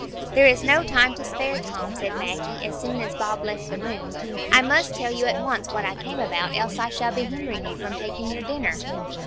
"There is no time to spare, Tom," said Maggie, as soon as Bob left the room. "I must tell you at once what I came about, else I shall be hindering you from taking your dinner."